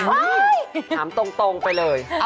ถามตรงไปเลย